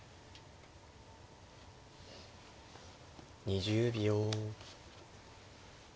２０秒。